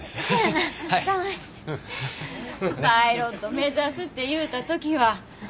パイロット目指すって言うた時はホンマ